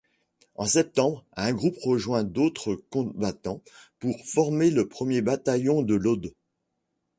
En septembre, un groupe rejoint d'autres combattants pour former le premier bataillon de l'Aude.